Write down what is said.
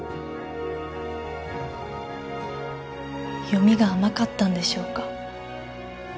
読みが甘かったんでしょうか？